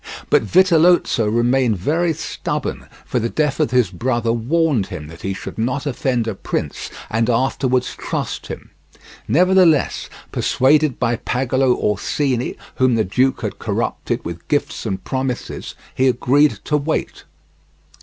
But Vitellozzo remained very stubborn, for the death of his brother warned him that he should not offend a prince and afterwards trust him; nevertheless, persuaded by Pagolo Orsini, whom the duke had corrupted with gifts and promises, he agreed to wait.